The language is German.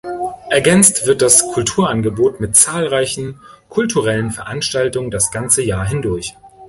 Ergänzt wird das Kulturangebot mit zahlreichen kulturellen Veranstaltungen das ganze Jahr hindurch.